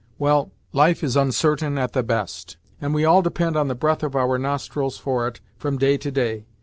Well, life is unsartain at the best, and we all depend on the breath of our nostrils for it, from day to day.